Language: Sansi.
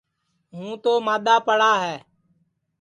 ہُوں تو مادؔا پڑا ہے